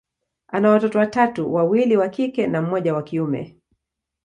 ana watoto watatu, wawili wa kike na mmoja wa kiume.